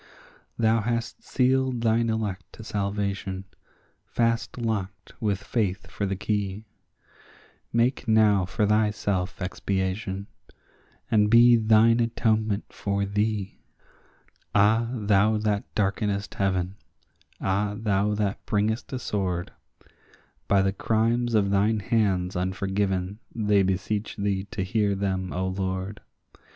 Thou hast sealed thine elect to salvation, fast locked with faith for the key; Make now for thyself expiation, and be thine atonement for thee. Ah, thou that darkenest heaven—ah, thou that bringest a sword— By the crimes of thine hands unforgiven they beseech thee to hear them, O Lord.